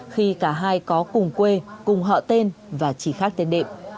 khi cả hai có cùng quê cùng họ tên và chỉ khác tên đệm